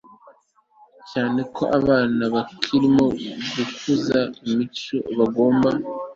cyane ko abana bakirimo gukuza imico bagomba